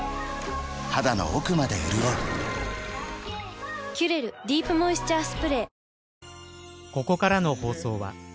肌の奥まで潤う「キュレルディープモイスチャースプレー」